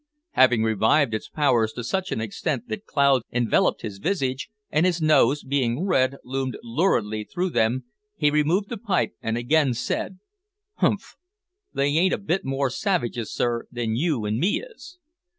Having revived its powers to such an extent that clouds enveloped his visage, and his nose, being red, loomed luridly through them, he removed the pipe, and again said, "Humph! They ain't a bit more savages, sir, than you or me is."